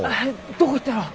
どこ行ったろう？